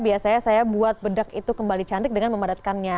biasanya saya buat bedak itu kembali cantik dengan memadatkannya